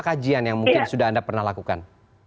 kajian yang mungkin sudah anda pernah lakukan